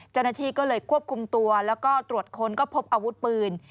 เจ้าหน้าที่ก็เลยควบคุมตัวแล้วก็ตรวจค้นก็พบอาวุธปืน